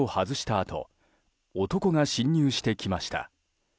あと男が侵入してきました。